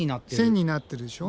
線になってるでしょ。